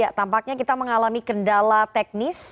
ya tampaknya kita mengalami kendala teknis